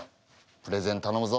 プレゼンたのむぞ。